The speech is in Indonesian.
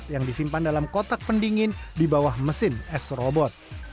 yang disimpan dalam kotak pendingin di bawah mesin s robot